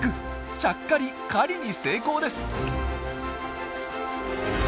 ちゃっかり狩りに成功です！